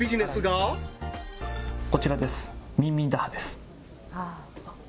こちらですあっ